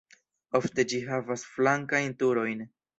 Ofte ĝi havas flankajn turojn.